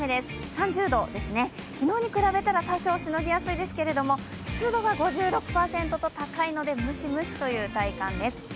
３０度ですね、昨日に比べたら多少、しのぎやすいですけれども湿度が５６％と高いのでムシムシという体感です。